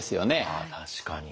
あ確かに。